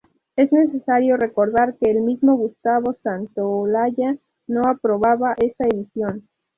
Es necesario recordar que el mismo Gustavo Santaolalla no aprobaba esta edición.